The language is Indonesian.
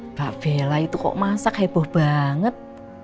mbak bella itu kok masak heboh banget